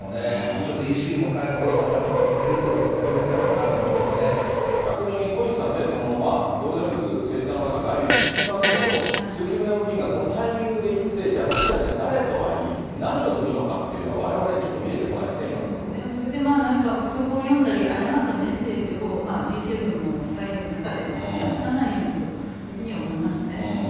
ちょっと維新の会のほうがなんとか止めるってことをやるべきなの逆に小西さんね、そのまあ、ゴールデンウィーク、政治家の方、外遊行きますけど、鈴木宗男議員がこのタイミングで行って、じゃあ、ロシアで誰と会い、何をするのかっていうのは、われわれにちょっと見えてこないですね、そうですね、それで何か臆測を呼んだり、誤ったメッセージをＧ７も控える中で、出さないようにというふうには思いますね。